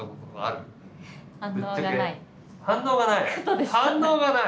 反応がない？